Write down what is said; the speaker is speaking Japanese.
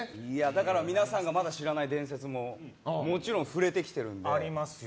だから皆さんがまだ知らない伝説ももちろん、触れてきてるんで。